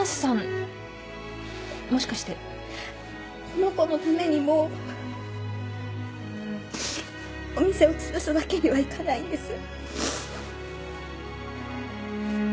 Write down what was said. この子のためにもお店をつぶすわけにはいかないんです。